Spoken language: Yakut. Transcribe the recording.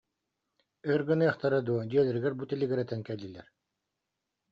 Јр гыныахтара дуо, дьиэлэригэр бу тилигирэтэн кэллилэр